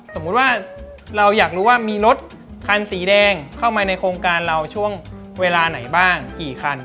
สมมุติว่าเราอยากรู้ว่ามีรถคันสีแดงเข้ามาในโครงการเราช่วงเวลาไหนบ้างกี่คัน